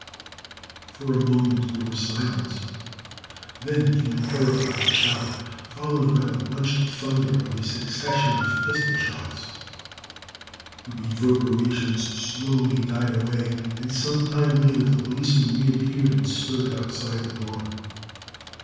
For a moment there was silence. Then came a terrified shout, followed by the bunched thunder of a succession of pistol shots. The reverberations slowly died away, and some time later the policemen reappeared and stood outside the door.